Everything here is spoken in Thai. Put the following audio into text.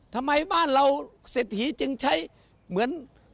ทำไมบ้านเราเศรษฐีจึงใช้เหมือน